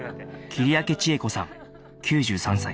切明千枝子さん９３歳